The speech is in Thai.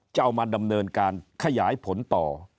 จะเอามาดำเนินการขยายผลต่อ